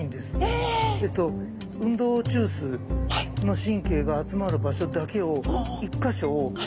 運動中枢の神経が集まる場所だけを１か所を１回刺すんです。